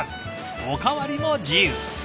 おかわりも自由！